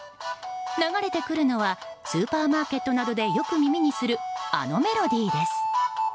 流れてくるのはスーパーマーケットなどでよく耳にするあのメロディーです。